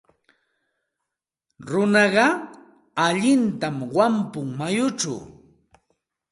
Runaqa allintam wampun mayuchaw.